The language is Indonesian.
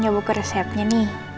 nah sekarang kan